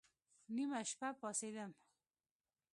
نيمه شپه پاڅېدم.